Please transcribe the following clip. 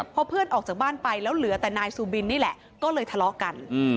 พอเพื่อนออกจากบ้านไปแล้วเหลือแต่นายซูบินนี่แหละก็เลยทะเลาะกัน